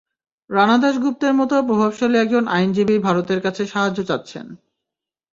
রানা দাশ গুপ্তের মতো প্রভাবশালী একজন আইনজীবী ভারতের কাছে সাহায্য চাচ্ছেন।